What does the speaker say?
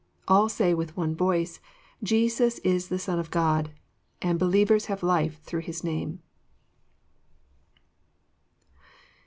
All say with one voice, " Jesus is the Son of God, and believers have life through His name.